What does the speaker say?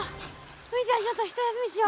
お兄ちゃんちょっと一休みしよう。